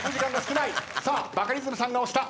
さあバカリズムさんが押した。